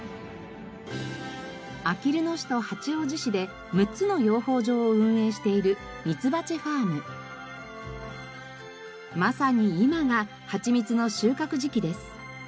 あきる野市と八王子市で６つの養蜂場を運営しているまさに今がはちみつの収穫時期です。